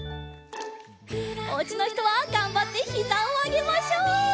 おうちのひとはがんばってひざをあげましょう！